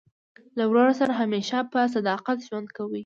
له ورور سره همېشه په صداقت ژوند کوئ!